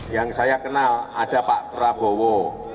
yang saya kenal ada pak prabowo